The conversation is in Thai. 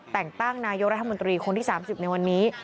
แต่งตั้งนายกรัฐมนตรีคนที่๓๐ในวันนี้